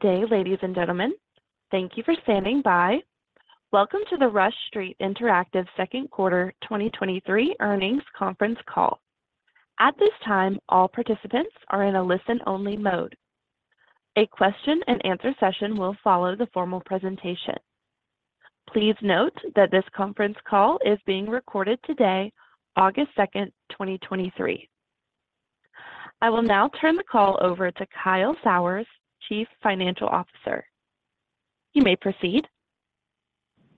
Good day, ladies and gentlemen. Thank you for standing by. Welcome to the Rush Street Interactive second quarter 2023 earnings conference call. At this time, all participants are in a listen-only mode. A question and answer session will follow the formal presentation. Please note that this conference call is being recorded today, August second, 2023. I will now turn the call over to Kyle Sauers, Chief Financial Officer. You may proceed.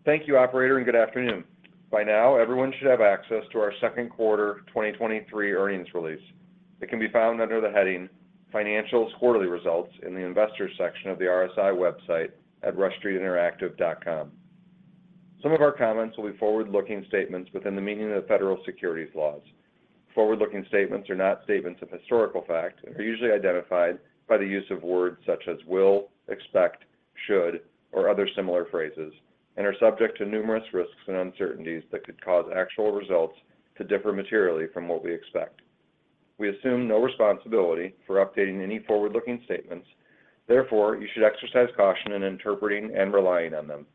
Thank you, operator, and good afternoon. By now, everyone should have access to our second quarter 2023 earnings release. It can be found under the heading Financial Quarterly Results in the Investors section of the RSI website at rushstreetinteractive.com. Some of our comments will be forward-looking statements within the meaning of the federal securities laws. Forward-looking statements are not statements of historical fact and are usually identified by the use of words such as will, expect, should, or other similar phrases, and are subject to numerous risks and uncertainties that could cause actual results to differ materially from what we expect. We assume no responsibility for updating any forward-looking statements, therefore, you should exercise caution in interpreting and relying on them.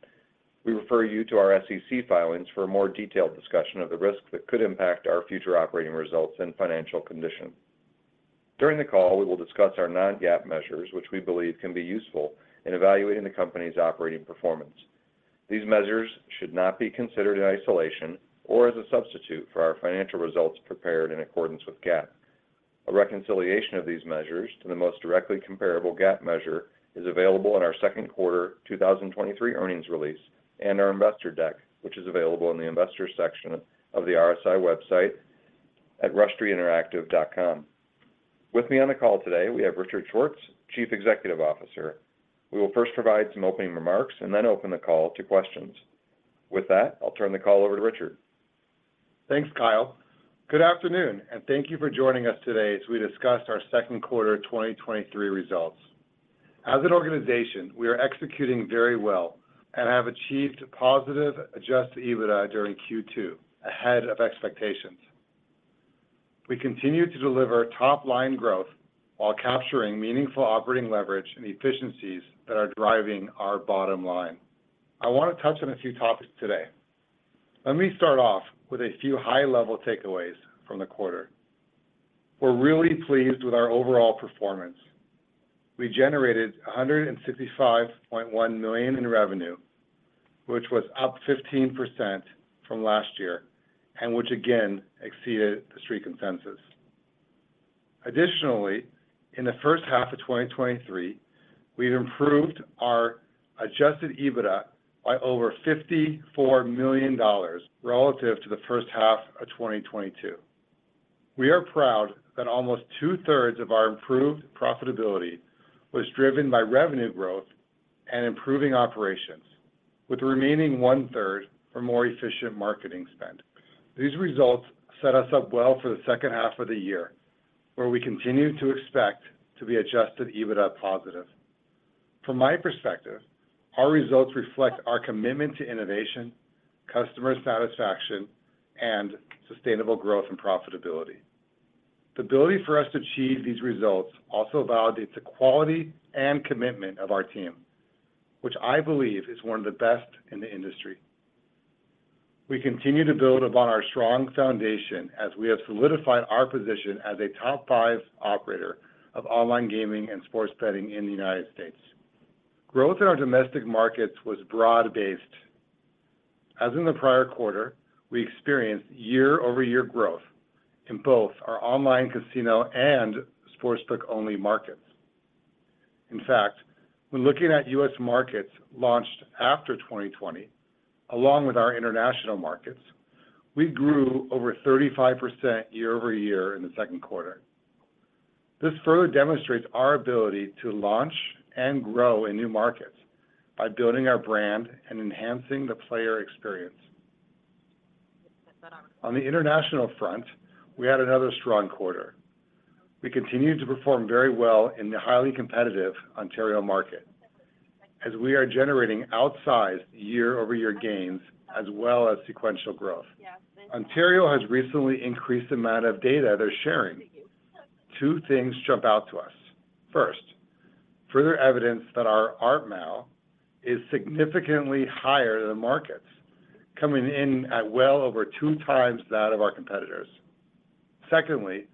We refer you to our SEC filings for a more detailed discussion of the risks that could impact our future operating results and financial condition. During the call, we will discuss our non-GAAP measures, which we believe can be useful in evaluating the company's operating performance. These measures should not be considered in isolation or as a substitute for our financial results prepared in accordance with GAAP. A reconciliation of these measures to the most directly comparable GAAP measure is available in our second quarter 2023 earnings release and our investor deck, which is available in the Investors section of the RSI website at rushstreetinteractive.com. With me on the call today, we have Richard Schwartz, Chief Executive Officer. We will first provide some opening remarks and then open the call to questions. With that, I'll turn the call over to Richard. Thanks, Kyle. Good afternoon, thank you for joining us today as we discuss our second quarter 2023 results. As an organization, we are executing very well and have achieved positive Adjusted EBITDA during Q2, ahead of expectations. We continue to deliver top-line growth while capturing meaningful operating leverage and efficiencies that are driving our bottom line. I want to touch on a few topics today. Let me start off with a few high-level takeaways from the quarter. We're really pleased with our overall performance. We generated $165.1 million in revenue, which was up 15% from last year, and which again exceeded the Street consensus. Additionally, in the first half of 2023, we've improved our Adjusted EBITDA by over $54 million relative to the first half of 2022. We are proud that almost two-thirds of our improved profitability was driven by revenue growth and improving operations, with the remaining one-third for more efficient marketing spend. These results set us up well for the second half of the year, where we continue to expect to be Adjusted EBITDA positive. From my perspective, our results reflect our commitment to innovation, customer satisfaction, and sustainable growth and profitability. The ability for us to achieve these results also validates the quality and commitment of our team, which I believe is one of the best in the industry. We continue to build upon our strong foundation as we have solidified our position as a top five operator of online gaming and sports betting in the United States. Growth in our domestic markets was broad-based. As in the prior quarter, we experienced year-over-year growth in both our online casino and sportsbook-only markets. In fact, when looking at U.S. markets launched after 2020, along with our international markets, we grew over 35% year-over-year in the second quarter. This further demonstrates our ability to launch and grow in new markets by building our brand and enhancing the player experience. On the international front, we had another strong quarter. We continued to perform very well in the highly competitive Ontario market, as we are generating outsized year-over-year gains as well as sequential growth. Ontario has recently increased the amount of data they're sharing. Two things jump out to us. First, further evidence that our ARPMAU is significantly higher than the market's, coming in at well over 2x that of our competitors. Secondly,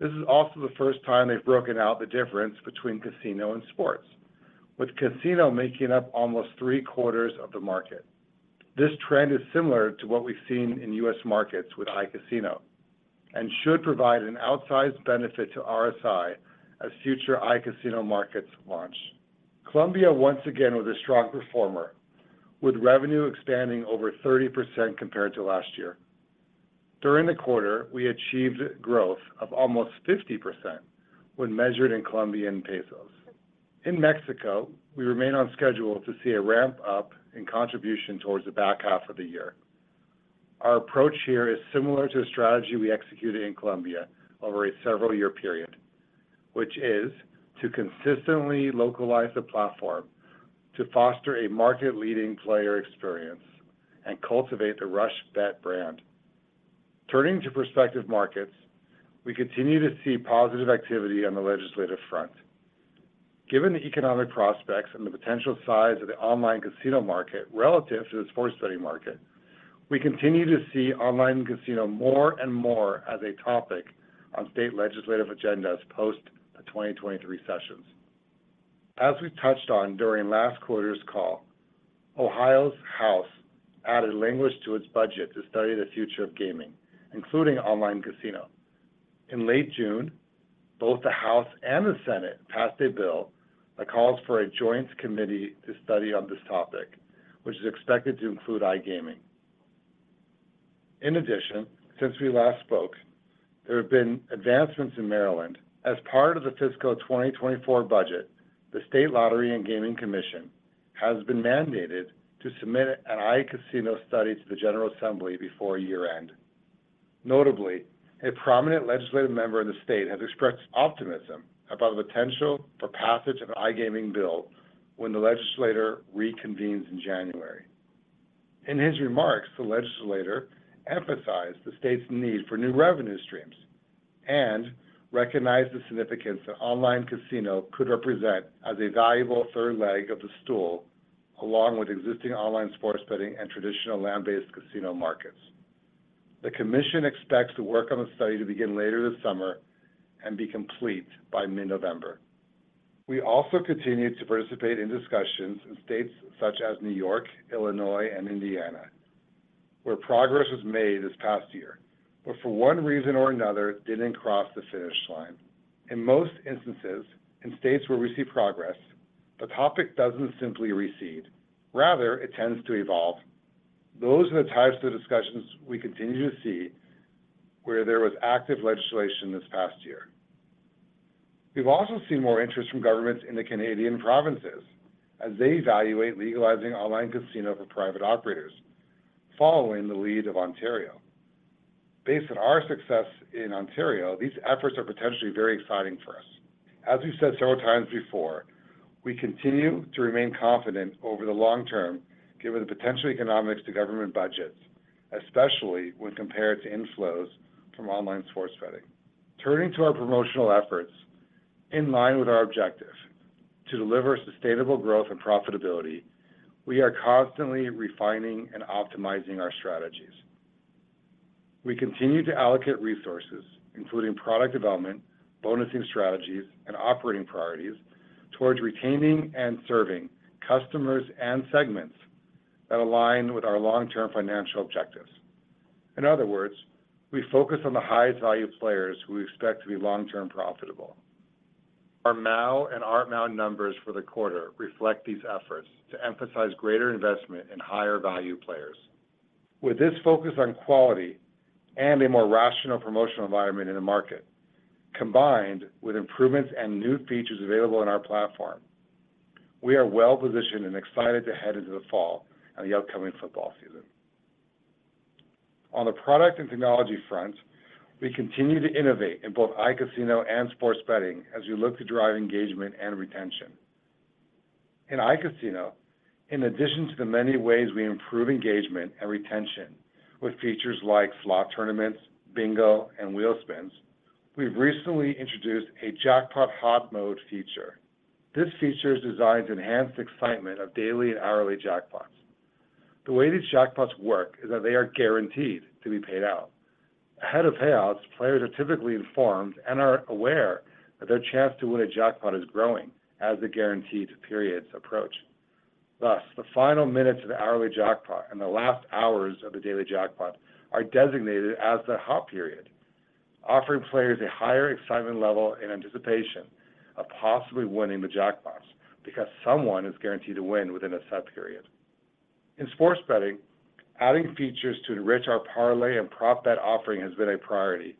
this is also the first time they've broken out the difference between casino and sports, with casino making up almost three-quarters of the market. This trend is similar to what we've seen in US markets with iCasino and should provide an outsized benefit to RSI as future iCasino markets launch. Colombia, once again, was a strong performer, with revenue expanding over 30% compared to last year. During the quarter, we achieved growth of almost 50% when measured in Colombian pesos. In Mexico, we remain on schedule to see a ramp-up in contribution towards the back half of the year. Our approach here is similar to a strategy we executed in Colombia over a several-year period, which is to consistently localize the platform, to foster a market-leading player experience and cultivate the RushBet brand. Turning to prospective markets, we continue to see positive activity on the legislative front. Given the economic prospects and the potential size of the iCasino market relative to the sports betting market, we continue to see iCasino more and more as a topic on state legislative agendas post the 2023 sessions. As we touched on during last quarter's call, Ohio's House added language to its budget to study the future of gaming, including iCasino. In late June, both the House and the Senate passed a bill that calls for a joint committee to study on this topic, which is expected to include iGaming. In addition, since we last spoke, there have been advancements in Maryland. As part of the fiscal 2024 budget, the State Lottery and Gaming Commission has been mandated to submit an iCasino study to the General Assembly before year-end. Notably, a prominent legislative member in the state has expressed optimism about the potential for passage of an iGaming bill when the legislator reconvenes in January. In his remarks, the legislator emphasized the state's need for new revenue streams and recognized the significance that online casino could represent as a valuable third leg of the stool, along with existing online sports betting and traditional land-based casino markets. The commission expects the work on the study to begin later this summer and be complete by mid-November. We also continued to participate in discussions in states such as New York, Illinois, and Indiana, where progress was made this past year, but for one reason or another, didn't cross the finish line. In most instances, in states where we see progress, the topic doesn't simply recede, rather, it tends to evolve. Those are the types of discussions we continue to see where there was active legislation this past year. We've also seen more interest from governments in the Canadian provinces as they evaluate legalizing online casino for private operators, following the lead of Ontario. Based on our success in Ontario, these efforts are potentially very exciting for us. As we've said several times before, we continue to remain confident over the long term, given the potential economics to government budgets, especially when compared to inflows from online sports betting. Turning to our promotional efforts, in line with our objective to deliver sustainable growth and profitability, we are constantly refining and optimizing our strategies. We continue to allocate resources, including product development, bonusing strategies, and operating priorities, towards retaining and serving customers and segments that align with our long-term financial objectives. In other words, we focus on the highest value players who we expect to be long-term profitable. Our MAU and rMAU numbers for the quarter reflect these efforts to emphasize greater investment in higher value players. With this focus on quality and a more rational promotional environment in the market, combined with improvements and new features available in our platform, we are well-positioned and excited to head into the fall and the upcoming football season. On the product and technology front, we continue to innovate in both iCasino and sports betting as we look to drive engagement and retention. In iCasino, in addition to the many ways we improve engagement and retention with features like slot tournaments, bingo, and wheel spins, we've recently introduced a jackpot hot mode feature. This feature is designed to enhance the excitement of daily and hourly jackpots. The way these jackpots work is that they are guaranteed to be paid out. Ahead of payouts, players are typically informed and are aware that their chance to win a jackpot is growing as the guaranteed periods approach. Thus, the final minutes of the hourly jackpot and the last hours of the daily jackpot are designated as the hot period, offering players a higher excitement level in anticipation of possibly winning the jackpots because someone is guaranteed to win within a set period. In sports betting, adding features to enrich our parlay and prop bet offering has been a priority.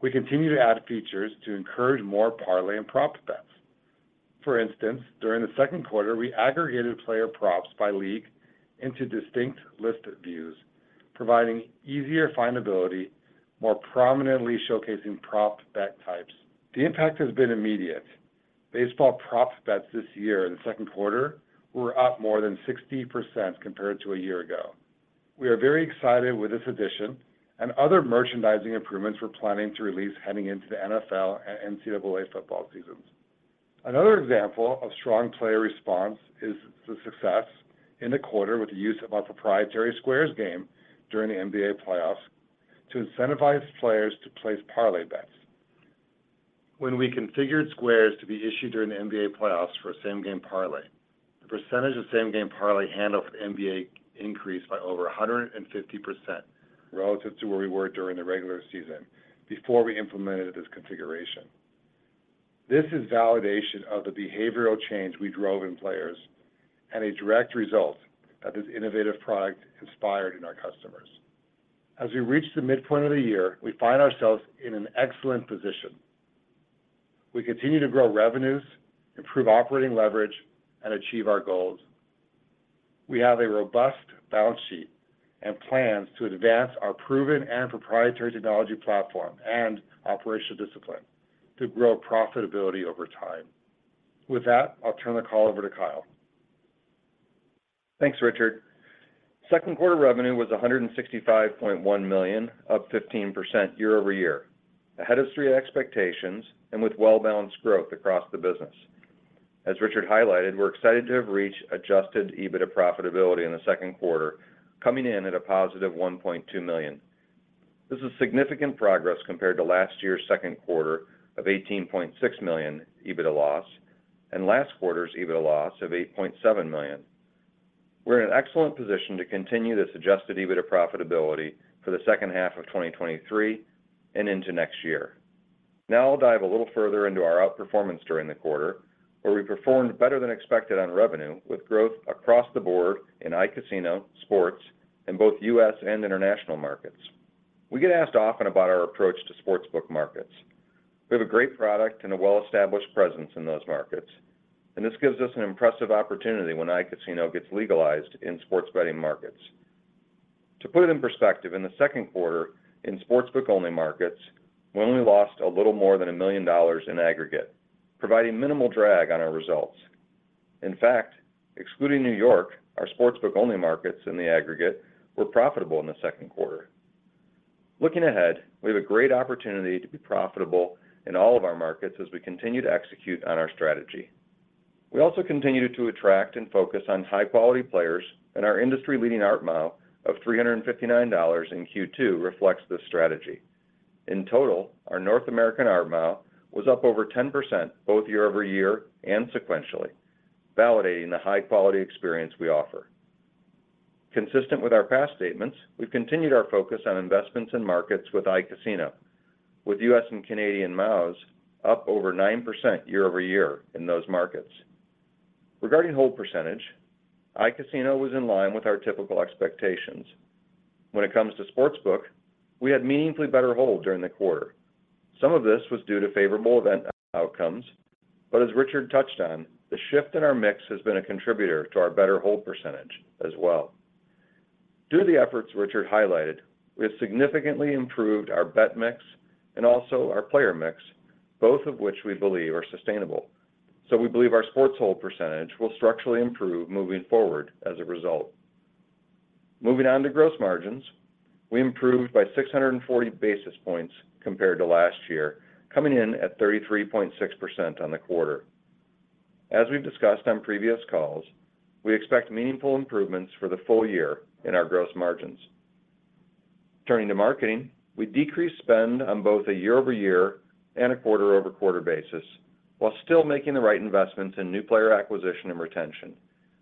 We continue to add features to encourage more parlay and prop bets. For instance, during the second quarter, we aggregated player props by league into distinct listed views, providing easier findability, more prominently showcasing prop bet types. The impact has been immediate. Baseball prop bets this year in the second quarter were up more than 60% compared to a year ago. We are very excited with this addition and other merchandising improvements we're planning to release heading into the NFL and NCAA football seasons. Another example of strong player response is the success in the quarter with the use of our proprietary squares game during the NBA playoffs to incentivize players to place parlay bets. When we configured squares to be issued during the NBA playoffs for a same-game parlay, the percentage of same-game parlay handled for the NBA increased by over 150% relative to where we were during the regular season before we implemented this configuration. This is validation of the behavioral change we drove in players and a direct result that this innovative product inspired in our customers. As we reach the midpoint of the year, we find ourselves in an excellent position. We continue to grow revenues, improve operating leverage, and achieve our goals. We have a robust balance sheet and plans to advance our proven and proprietary technology platform and operational discipline to grow profitability over time. With that, I'll turn the call over to Kyle. Thanks, Richard. Second quarter revenue was $165.1 million, up 15% year-over-year, ahead of Street expectations and with well-balanced growth across the business. As Richard highlighted, we're excited to have reached Adjusted EBITDA profitability in the second quarter, coming in at a positive $1.2 million. This is significant progress compared to last year's second quarter of $18.6 million EBITDA loss and last quarter's EBITDA loss of $8.7 million. We're in an excellent position to continue this Adjusted EBITDA profitability for the second half of 2023 and into next year. I'll dive a little further into our outperformance during the quarter, where we performed better than expected on revenue, with growth across the board in iCasino, sports, and both U.S. and international markets. We get asked often about our approach to sportsbook markets. We have a great product and a well-established presence in those markets, and this gives us an impressive opportunity when iCasino gets legalized in sports betting markets. To put it in perspective, in the second quarter, in sportsbook-only markets, we only lost a little more than $1 million in aggregate, providing minimal drag on our results. In fact, excluding New York, our sportsbook-only markets in the aggregate were profitable in the second quarter. Looking ahead, we have a great opportunity to be profitable in all of our markets as we continue to execute on our strategy. We also continue to attract and focus on high-quality players, and our industry-leading ARPMAU of $359 in Q2 reflects this strategy. In total, our North American ARPMAU was up over 10%, both year-over-year and sequentially, validating the high-quality experience we offer. Consistent with our past statements, we've continued our focus on investments in markets with iCasino, with US and Canadian MAUs up over 9% year-over-year in those markets. Regarding hold percentage, iCasino was in line with our typical expectations. When it comes to sportsbook, we had meaningfully better hold during the quarter. Some of this was due to favorable event outcomes, but as Richard touched on, the shift in our mix has been a contributor to our better hold percentage as well. Due to the efforts Richard highlighted, we have significantly improved our bet mix and also our player mix, both of which we believe are sustainable. We believe our sports hold percentage will structurally improve moving forward as a result. Moving on to gross margins, we improved by 640 basis points compared to last year, coming in at 33.6% on the quarter. As we've discussed on previous calls, we expect meaningful improvements for the full year in our gross margins. Turning to marketing, we decreased spend on both a year-over-year and a quarter-over-quarter basis, while still making the right investments in new player acquisition and retention.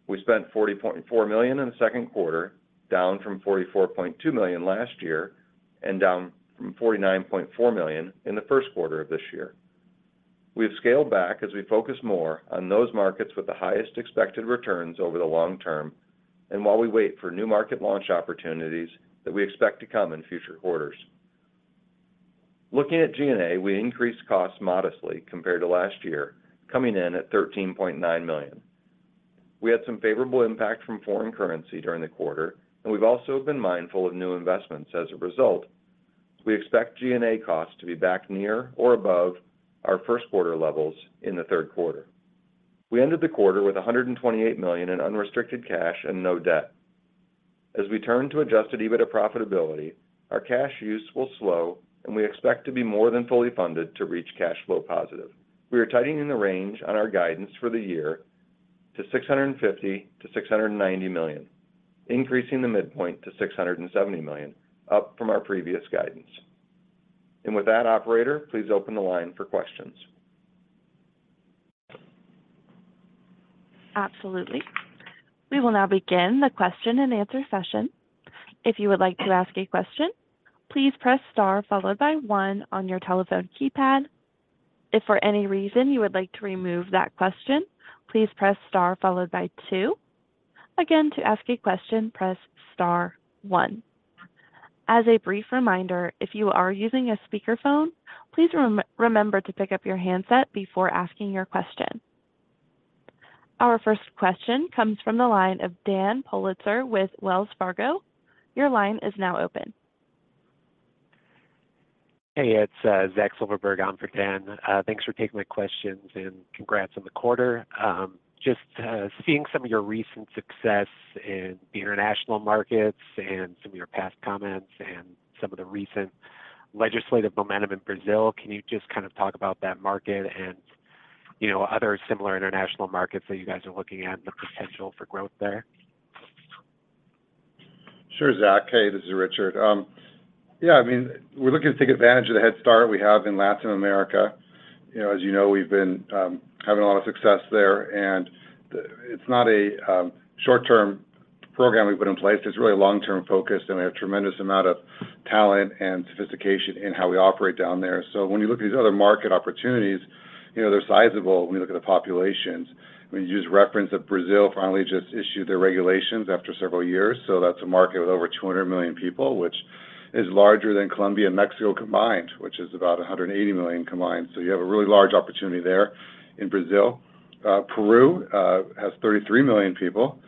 We spent $40.4 million in the second quarter, down from $44.2 million last year and down from $49.4 million in the first quarter of this year. We have scaled back as we focus more on those markets with the highest expected returns over the long term and while we wait for new market launch opportunities that we expect to come in future quarters. Looking at G&A, we increased costs modestly compared to last year, coming in at $13.9 million. We had some favorable impact from foreign currency during the quarter, and we've also been mindful of new investments as a result. We expect G&A costs to be back near or above our first quarter levels in the third quarter. We ended the quarter with $128 million in unrestricted cash and no debt. As we turn to Adjusted EBITDA profitability, our cash use will slow, and we expect to be more than fully funded to reach cash flow positive. We are tightening the range on our guidance for the year to $650 million-$690 million, increasing the midpoint to $670 million, up from our previous guidance. With that, operator, please open the line for questions. Absolutely. We will now begin the question-and-answer session. If you would like to ask a question, please press star followed by 1 on your telephone keypad. If for any reason you would like to remove that question, please press star followed by 2. To ask a question, press star 1. As a brief reminder, if you are using a speakerphone, please remember to pick up your handset before asking your question. Our first question comes from the line of Dan Politzer with Wells Fargo. Your line is now open. Hey, it's Zach Silverberg on for Dan. Thanks for taking my questions, and congrats on the quarter. Just seeing some of your recent success in the international markets and some of your past comments and some of the recent legislative momentum in Brazil, can you just kind of talk about that market and, you know, other similar international markets that you guys are looking at and the potential for growth there? Sure, Zach. Hey, this is Richard. Yeah, I mean, we're looking to take advantage of the head start we have in Latin America. You know, as you know, we've been, having a lot of success there, it's not a, short-term program we've put in place. It's really long-term focused, and we have a tremendous amount of talent and sophistication in how we operate down there. When you look at these other market opportunities, you know, they're sizable when you look at the populations. We use reference that Brazil finally just issued their regulations after several years. That's a market with over 200 million people, which is larger than Colombia and Mexico combined, which is about 180 million combined. You have a really large opportunity there in Brazil. Peru has 33 million people.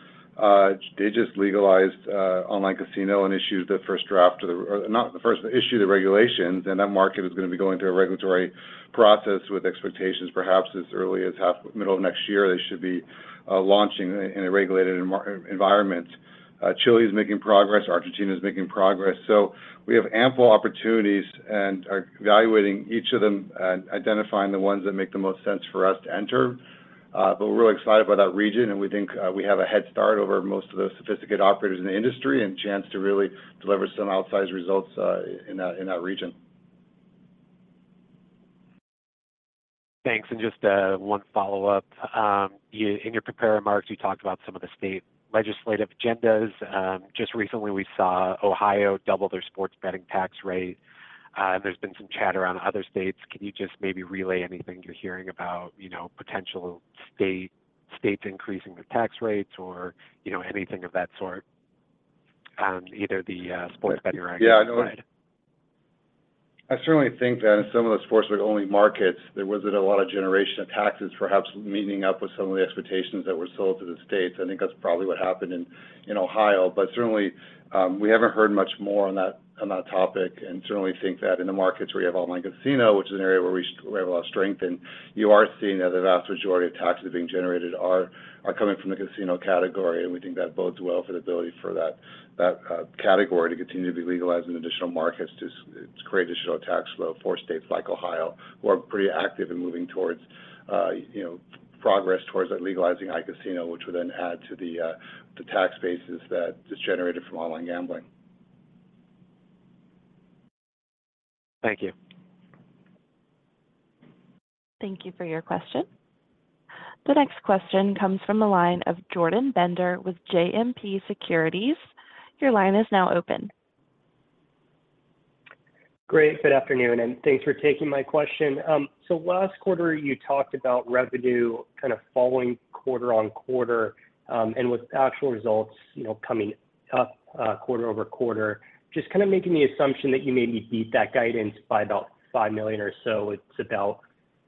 They just legalized online casino and issued the first draft of the, not the first, issued the regulations, and that market is going to be going through a regulatory process with expectations, perhaps as early as middle of next year, they should be launching in a regulated environment. Chile is making progress, Argentina is making progress. We have ample opportunities and are evaluating each of them and identifying the ones that make the most sense for us to enter. We're really excited about that region, and we think we have a head start over most of the sophisticated operators in the industry, and a chance to really deliver some outsized results in that, in that region. Thanks. Just one follow-up. In your prepared remarks, you talked about some of the state legislative agendas. Just recently, we saw Ohio double their sports betting tax rate, and there's been some chatter on other states. Can you just maybe relay anything you're hearing about, you know, potential states increasing the tax rates or, you know, anything of that sort, either the sports betting or- Yeah. regulator side. I certainly think that in some of the sports betting only markets, there wasn't a lot of generation of taxes, perhaps meeting up with some of the expectations that were sold to the states. I think that's probably what happened in Ohio. Certainly, we haven't heard much more on that topic, and certainly think that in the markets where you have online casino, which is an area where we still have a lot of strength in, you are seeing that the vast majority of taxes being generated are coming from the casino category. We think that bodes well for the ability for that, that category to continue to be legalized in additional markets, to it's create additional tax flow for states like Ohio, who are pretty active in moving towards, you know, progress towards legalizing iCasino, which would then add to the, the tax bases that is generated from online gambling. Thank you. Thank you for your question. The next question comes from the line of Jordan Bender with JMP Securities. Your line is now open. Great, good afternoon, thanks for taking my question. Last quarter, you talked about revenue kind of falling quarter on quarter, and with actual results, you know, coming up, quarter over quarter. Just kind of making the assumption that you maybe beat that guidance by about $5 million or so, it's about,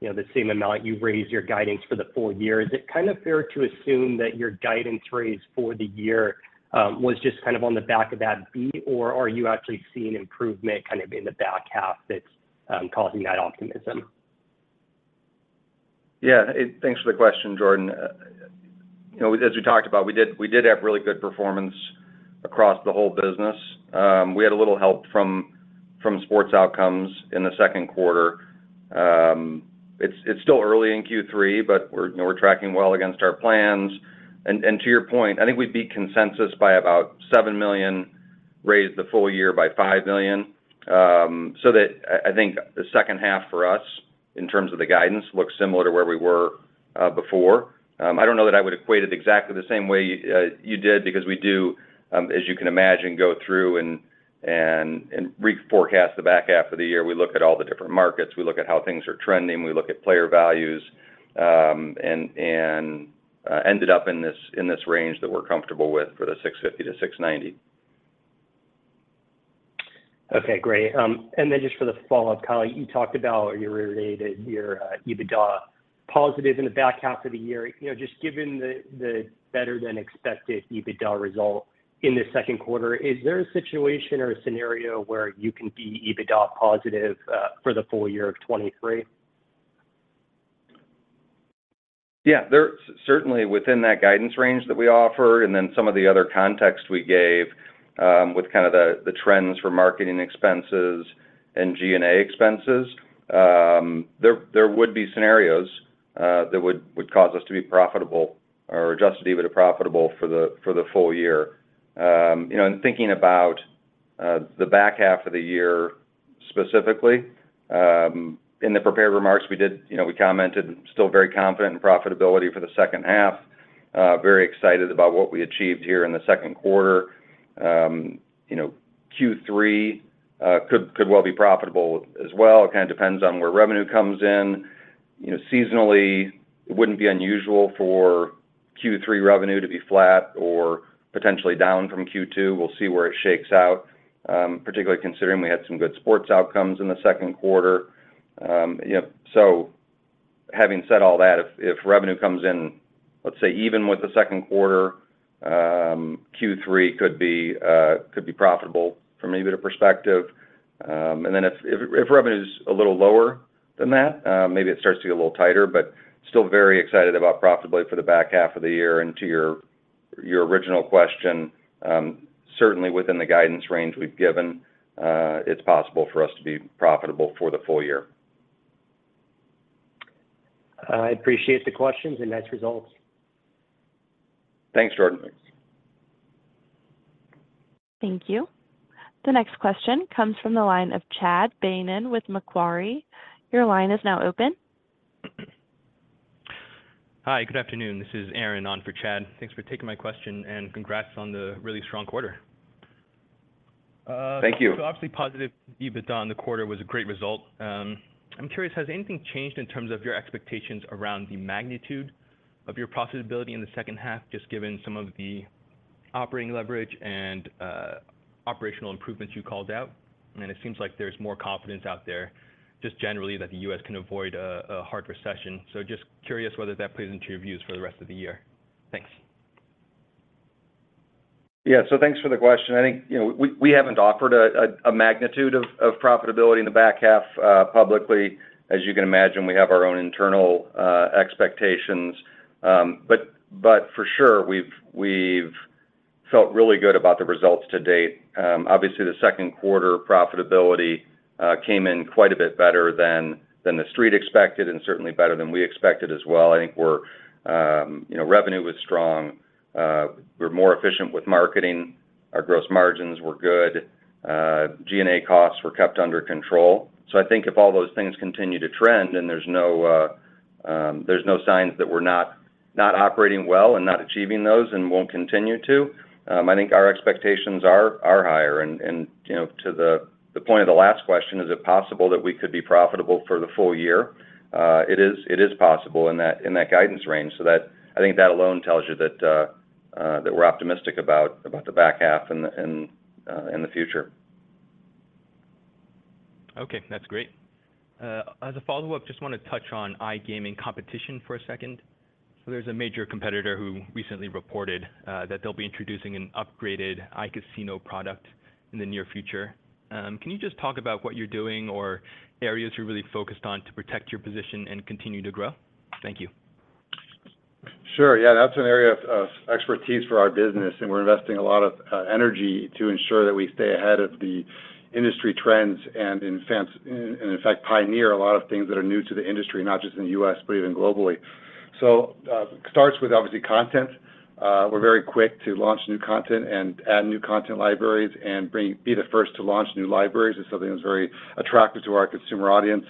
you know, the same amount you've raised your guidance for the full year. Is it kind of fair to assume that your guidance raise for the year, was just kind of on the back of that beat, or are you actually seeing improvement kind of in the back half that's, causing that optimism? Yeah, thanks for the question, Jordan. You know, as we talked about, we did have really good performance across the whole business. We had a little help from sports outcomes in the second quarter. It's still early in Q3, but we're, you know, we're tracking well against our plans. To your point, I think we beat consensus by about $7 million, raised the full year by $5 million. That I think the second half for us, in terms of the guidance, looks similar to where we were before. I don't know that I would equate it exactly the same way you did, because we do, as you can imagine, go through and reforecast the back half of the year. We look at all the different markets, we look at how things are trending, we look at player values, and, and ended up in this, in this range that we're comfortable with for the $650-$690. Okay, great. Then just for the follow-up, Kyle, you talked about you reiterated your EBITDA positive in the back half of the year. You know, just given the better-than-expected EBITDA result in the second quarter, is there a situation or a scenario where you can be EBITDA positive for the full year of 23? Yeah. There, certainly, within that guidance range that we offer and then some of the other contexts we gave, with kind of the trends for marketing expenses and G&A expenses, there would be scenarios that would cause us to be profitable or Adjusted EBITDA profitable for the full year. You know, thinking about the back half of the year, specifically, in the prepared remarks, we did, you know, we commented, still very confident in profitability for the second half. Very excited about what we achieved here in the second quarter. You know, Q3 could well be profitable as well. It kind of depends on where revenue comes in. You know, seasonally, it wouldn't be unusual for Q3 revenue to be flat or potentially down from Q2. We'll see where it shakes out, particularly considering we had some good sports outcomes in the second quarter. You know, so having said all that, if, if revenue comes in, let's say, even with the second quarter, Q3 could be profitable from EBITDA perspective. If, if, if revenue is a little lower than that, maybe it starts to get a little tighter, but still very excited about profitability for the back half of the year. To your, your original question, certainly within the guidance range we've given, it's possible for us to be profitable for the full year. I appreciate the questions and nice results. Thanks, Jordan. Thank you. The next question comes from the line of Chad Beynon with Macquarie. Your line is now open. Hi, good afternoon. This is Aaron, on for Chad. Thanks for taking my question, and congrats on the really strong quarter. Thank you. Obviously, positive EBITDA on the quarter was a great result. I'm curious, has anything changed in terms of your expectations around the magnitude of your profitability in the second half, just given some of the operating leverage and operational improvements you called out? I mean, it seems like there's more confidence out there, just generally, that the U.S. can avoid a hard recession. Just curious whether that plays into your views for the rest of the year. Thanks. Yeah. Thanks for the question. I think, you know, we, we haven't offered a, a, a magnitude of, of profitability in the back half, publicly. As you can imagine, we have our own internal, expectations. But for sure, we've, we've felt really good about the results to date. Obviously, the second quarter profitability came in quite a bit better than, than the street expected, and certainly better than we expected as well. I think we're, you know, revenue was strong, we're more efficient with marketing, our gross margins were good, G&A costs were kept under control. I think if all those things continue to trend, and there's no, there's no signs that we're not, not operating well and not achieving those and won't continue to, I think our expectations are, are higher. You know, to the point of the last question, is it possible that we could be profitable for the full year? It is possible in that guidance range. I think that alone tells you that we're optimistic about the back half and in the future. Okay, that's great. As a follow-up, just wanna touch on iGaming competition for a second. There's a major competitor who recently reported that they'll be introducing an upgraded iCasino product in the near future. Can you just talk about what you're doing or areas you're really focused on to protect your position and continue to grow? Thank you. Sure. Yeah, that's an area of, of expertise for our business, and we're investing a lot of energy to ensure that we stay ahead of the industry trends, and in fact, and in fact, pioneer a lot of things that are new to the industry, not just in the U.S., but even globally. It starts with obviously content. We're very quick to launch new content and add new content libraries, and be the first to launch new libraries, is something that's very attractive to our consumer audience.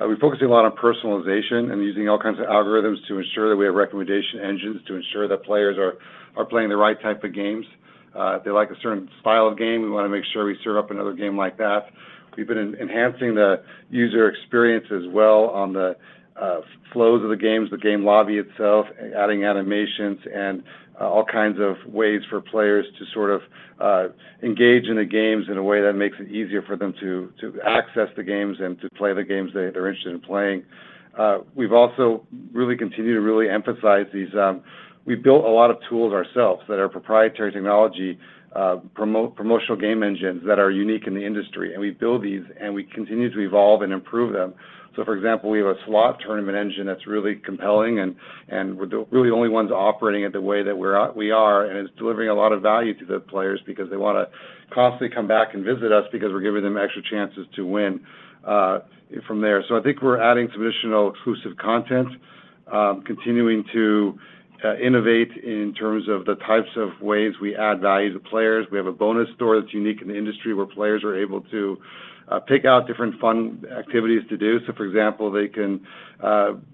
We're focusing a lot on personalization and using all kinds of algorithms to ensure that we have recommendation engines, to ensure that players are, are playing the right type of games. If they like a certain style of game, we wanna make sure we serve up another game like that. We've been enhancing the user experience as well on the flows of the games, the game lobby itself, and adding animations and all kinds of ways for players to sort of engage in the games in a way that makes it easier for them to access the games and to play the games they're interested in playing. We've also really continued to really emphasize these. We've built a lot of tools ourselves that are proprietary technology, promotional game engines that are unique in the industry, and we build these, and we continue to evolve and improve them. For example, we have a slot tournament engine that's really compelling, and, and we're the really only ones operating it the way that we are, and it's delivering a lot of value to the players because they wanna constantly come back and visit us because we're giving them extra chances to win from there. I think we're adding traditional, exclusive content, continuing to innovate in terms of the types of ways we add value to players. We have a bonus store that's unique in the industry, where players are able to pick out different fun activities to do. For example, they can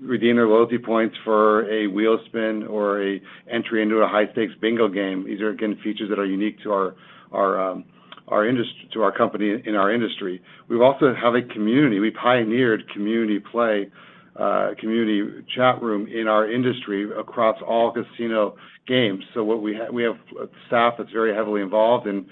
redeem their loyalty points for a wheel spin or a entry into a high-stakes bingo game. These are again, features that are unique to our, our, to our company and our industry. We've also have a community. We pioneered community play, community chat room in our industry across all casino games. We have a staff that's very heavily involved in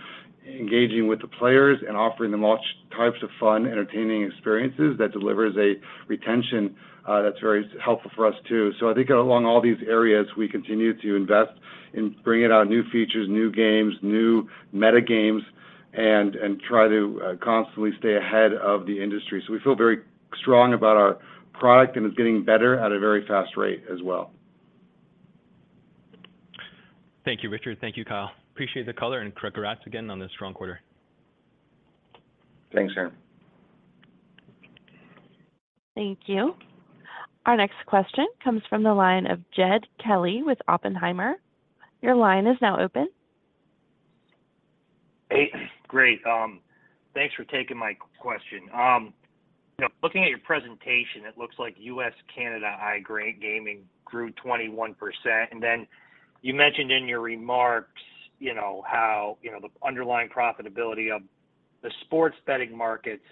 engaging with the players and offering them much types of fun, entertaining experiences that delivers a retention, that's very helpful for us, too. I think along all these areas, we continue to invest in bringing out new features, new games, new meta games, and, and try to constantly stay ahead of the industry. We feel very strong about our product, and it's getting better at a very fast rate as well. Thank you, Richard. Thank you, Kyle. Appreciate the color and congrats again on this strong quarter. Thanks, Aaron. Thank you. Our next question comes from the line of Jed Kelly with Oppenheimer. Your line is now open. Hey, great. Thanks for taking my question. You know, looking at your presentation, it looks like U.S., Canada, iGaming grew 21%, and then you mentioned in your remarks, you know, how, you know, the underlying profitability of the sports betting markets.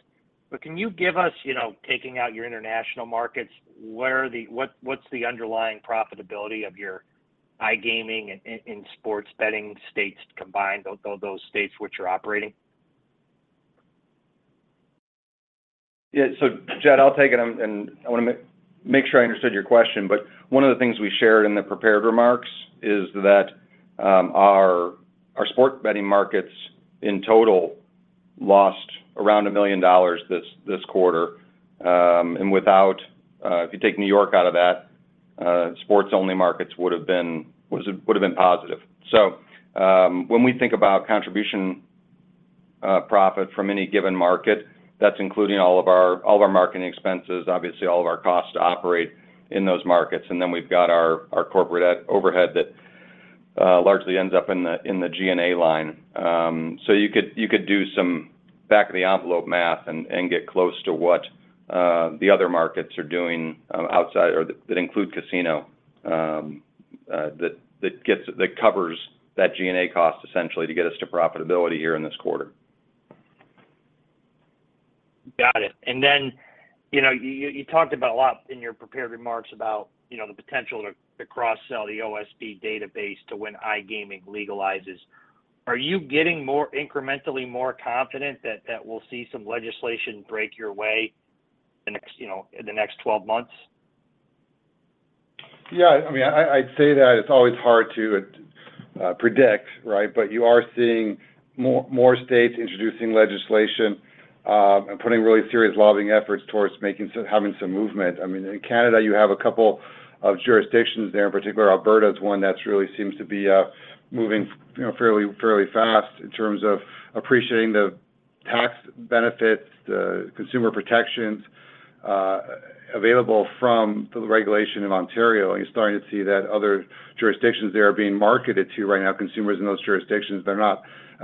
Can you give us, you know, taking out your international markets, where are the what, what's the underlying profitability of your iGaming in, in, in sports betting states combined, those states which are operating? Yeah. So Jed, I'll take it, and I wanna make sure I understood your question, but one of the things we shared in the prepared remarks is that, our, our sports betting markets, in total, lost around $1 million this, this quarter. Without, if you take New York out of that, sports-only markets would have been positive. When we think about contribution, profit from any given market, that's including all of our, all of our marketing expenses, obviously all of our costs to operate in those markets, and then we've got our, our corporate overhead that, largely ends up in the, in the G&A line. You could, you could do some back-of-the-envelope math and, and get close to what the other markets are doing, outside or that, that include casino, that covers that G&A cost, essentially, to get us to profitability here in this quarter. Got it. Then, you know, you, you talked about a lot in your prepared remarks about, you know, the potential to, to cross-sell the OSB database to when iGaming legalizes. Are you getting more, incrementally more confident that, that we'll see some legislation break your way in the next, you know, in the next 12 months? Yeah, I mean, I, I'd say that it's always hard to predict, right? You are seeing more, more states introducing legislation. Putting really serious lobbying efforts towards making some, having some movement. I mean, in Canada, you have a couple of jurisdictions there. In particular, Alberta is one that's really seems to be moving, you know, fairly, fairly fast in terms of appreciating the tax benefits, the consumer protections available from the regulation in Ontario. You're starting to see that other jurisdictions there are being marketed to right now, consumers in those jurisdictions that are not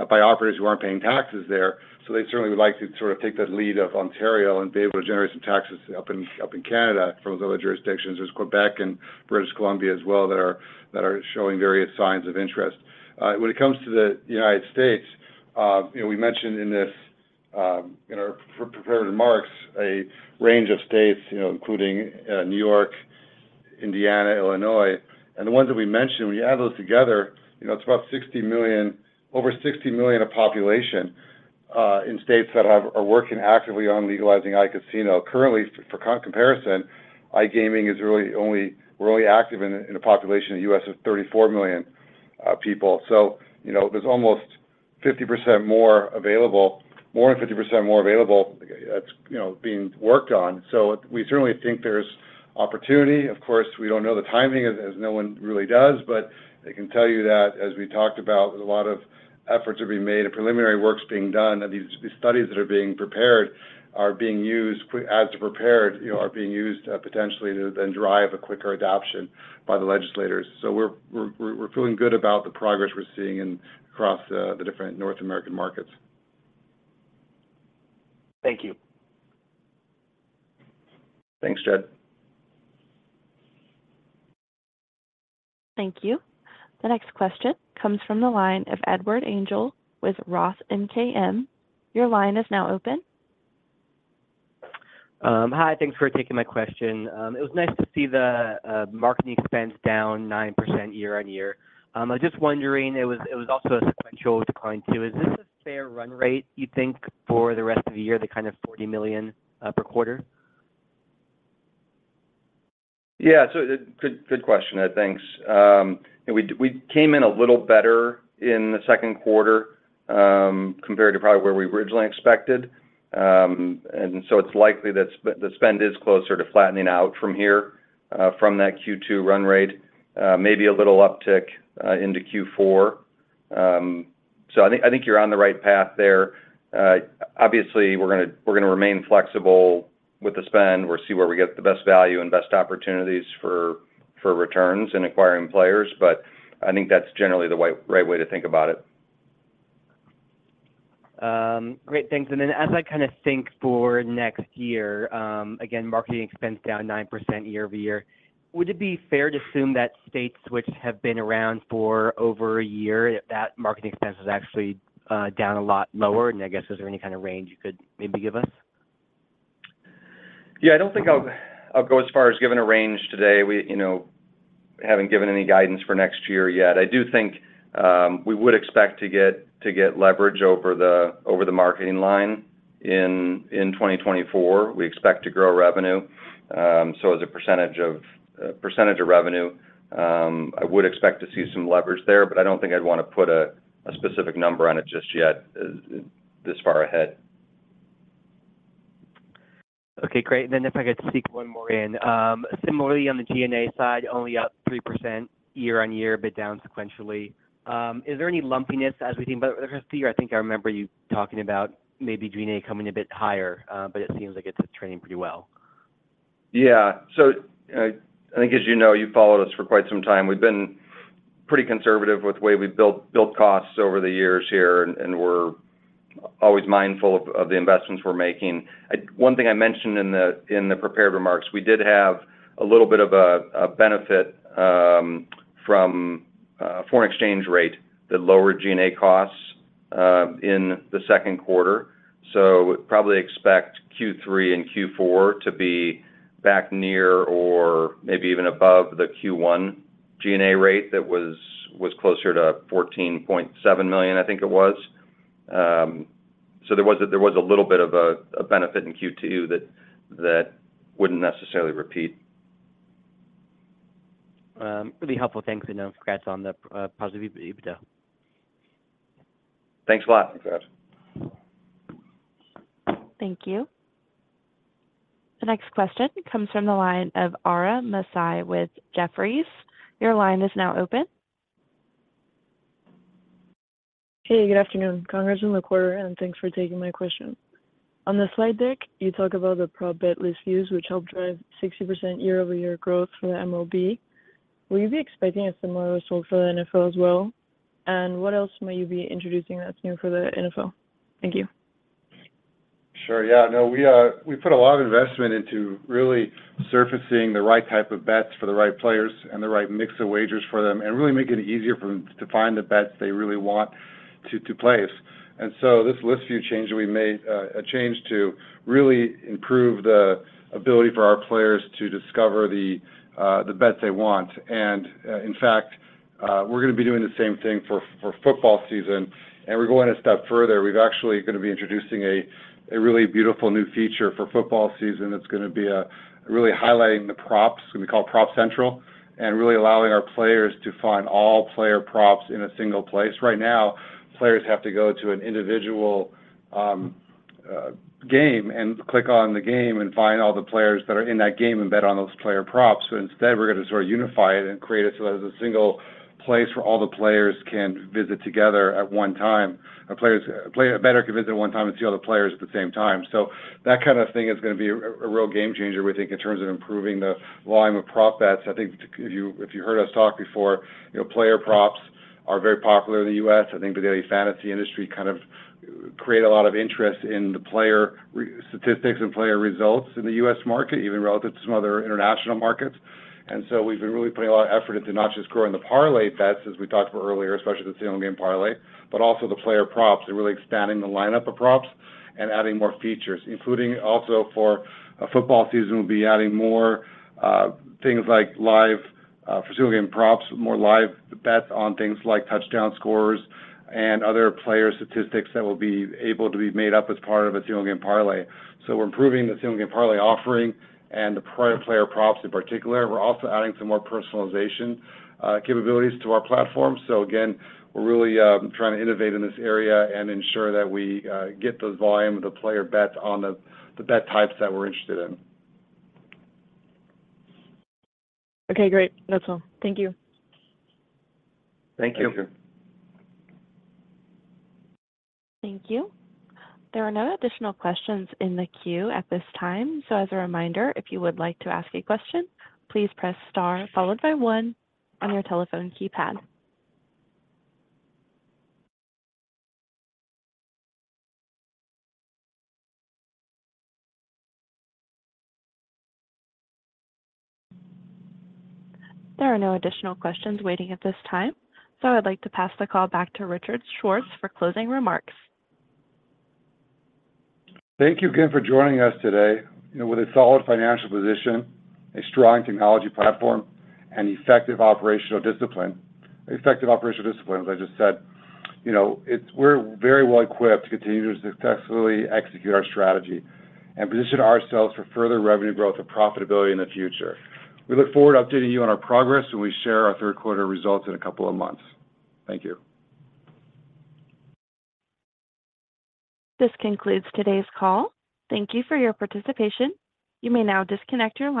by operators who aren't paying taxes there. They certainly would like to sort of take the lead of Ontario and be able to generate some taxes up in, up in Canada from those other jurisdictions. There's Quebec and British Columbia as well that are, that are showing various signs of interest. When it comes to the United States, you know, we mentioned in this, in our prepared remarks, a range of states, you know, including New York, Indiana, Illinois, and the ones that we mentioned, when you add those together, you know, it's about 60 million-- over 60 million of population, in states that have-- are working actively on legalizing iCasino. Currently, for comparison, iGaming is really only, really active in, in a population of the U.S. of 34 million people. You know, there's almost 50% more available-- more than 50% more available that's, you know, being worked on. We certainly think there's opportunity. Of course, we don't know the timing as, as no one really does, but I can tell you that as we talked about, there's a lot of efforts are being made and preliminary work's being done. These, these studies that are being prepared are being used, you know, are being used potentially to then drive a quicker adoption by the legislators. We're, we're, we're, we're feeling good about the progress we're seeing in across the, the different North American markets. Thank you. Thanks, Jed. Thank you. The next question comes from the line of Edward Engel with ROTH MKM. Your line is now open. Hi, thanks for taking my question. It was nice to see the marketing expense down 9% year-on-year. I was just wondering, it was also a sequential decline, too. Is this a fair run rate, you think, for the rest of the year, the kind of $40 million per quarter? Yeah. good, good question, Ed. Thanks. We, we came in a little better in the second quarter compared to probably where we originally expected. It's likely that the spend is closer to flattening out from here from that Q2 run rate, maybe a little uptick into Q4. I think, I think you're on the right path there. Obviously, we're gonna, we're gonna remain flexible with the spend. We'll see where we get the best value and best opportunities for, for returns and acquiring players, but I think that's generally the right way to think about it. Great. Thanks. Then as I kind of think for next year, again, marketing expense down 9% year-over-year, would it be fair to assume that states which have been around for over a year, that marketing expense is actually down a lot lower? I guess, is there any kind of range you could maybe give us? Yeah, I don't think I'll, I'll go as far as giving a range today. We, you know, haven't given any guidance for next year yet. I do think we would expect to get, to get leverage over the, over the marketing line in 2024. We expect to grow revenue. As a percentage of percentage of revenue, I would expect to see some leverage there, but I don't think I'd want to put a specific number on it just yet, this far ahead. Okay, great. Then if I could sneak one more in. Similarly, on the G&A side, only up 3% year-over-year, a bit down sequentially. Is there any lumpiness as we think about it? I think I remember you talking about maybe G&A coming a bit higher, but it seems like it's trending pretty well. Yeah. I think, as you know, you've followed us for quite some time. We've been pretty conservative with the way we've built, built costs over the years here, and we're always mindful of the investments we're making. One thing I mentioned in the prepared remarks, we did have a little bit of a benefit from foreign exchange rate that lowered G&A costs in the second quarter. Probably expect Q3 and Q4 to be back near or maybe even above the Q1 G&A rate that was closer to $14.7 million, I think it was. There was a little bit of a benefit in Q2 that wouldn't necessarily repeat. Really helpful. Thanks, and, congrats on the positive EBITDA. Thanks a lot, Edward. Thank you. The next question comes from the line of Ara Masias with Jefferies. Your line is now open. Hey, good afternoon. Congratulations on the quarter, and thanks for taking my question. On the slide deck, you talk about the prop bet list views, which helped drive 60% year-over-year growth for the MAU. Will you be expecting a similar result for the NFL as well? What else may you be introducing that's new for the NFL? Thank you. Sure. Yeah. No, we put a lot of investment into really surfacing the right type of bets for the right players and the right mix of wagers for them and really making it easier for them to find the bets they really want to, to place. So this list view change that we made, a change to really improve the ability for our players to discover the bets they want. In fact, we're going to be doing the same thing for, for football season, and we're going a step further. We've actually gonna be introducing a really beautiful new feature for football season that's gonna be really highlighting the props, we call Prop Central. Really allowing our players to find all player props in a single place. Right now, players have to go to an individual game and click on the game and find all the players that are in that game and bet on those player props. Instead, we're going to sort of unify it and create it so that it's a single place where all the players can visit together at one time. A player, a bettor can visit at one time and see all the players at the same time. That kind of thing is gonna be a real game changer, we think, in terms of improving the volume of prop bets. I think if you, if you heard us talk before, you know, player props are very popular in the U.S. I think the daily fantasy industry kind of created a lot of interest in the player re- statistics and player results in the U.S. market, even relative to some other international markets. We've been really putting a lot of effort into not just growing the parlay bets, as we talked about earlier, especially the same-game parlay, but also the player props and really expanding the lineup of props and adding more features, including also for a football season, we'll be adding more things like live for single game props, more live bets on things like touchdown scores and other player statistics that will be able to be made up as part of a same-game parlay. We're improving the same-game parlay offering and the prior player props in particular. We're also adding some more personalization capabilities to our platform. Again, we're really trying to innovate in this area and ensure that we get those volume of the player bets on the bet types that we're interested in. Okay, great. That's all. Thank you. Thank you. Thank you. Thank you. There are no additional questions in the queue at this time, so as a reminder, if you would like to ask a question, please press star followed by one on your telephone keypad. There are no additional questions waiting at this time, so I'd like to pass the call back to Richard Schwartz for closing remarks. Thank you again for joining us today. You know, with a solid financial position, a strong technology platform, and effective operational discipline, as I just said, you know, we're very well equipped to continue to successfully execute our strategy and position ourselves for further revenue growth and profitability in the future. We look forward to updating you on our progress when we share our third quarter results in a couple of months. Thank you. This concludes today's call. Thank you for your participation. You may now disconnect your line.